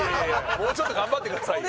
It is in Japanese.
もうちょっと頑張ってくださいよ